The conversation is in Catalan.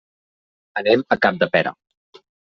Anem a Capdepera.